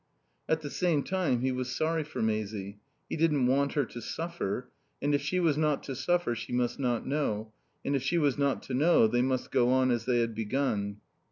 At the same time he was sorry for Maisie. He didn't want her to suffer, and if she was not to suffer she must not know, and if she was not to know they must go on as they had begun.